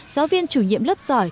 giáo viên chủ nhiệm lớp giỏi